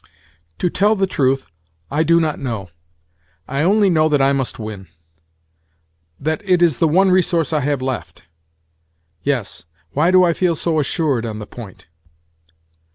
"To tell the truth, I do not know. I only know that I must win—that it is the one resource I have left. Yes, why do I feel so assured on the point?"